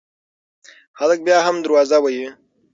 هلک بیا هم دروازه وهي.